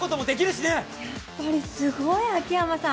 やっぱりすごい。秋山さん。